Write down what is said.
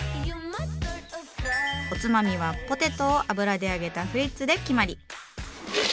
おつまみはポテトを油で揚げた「フリッツ」で決まり。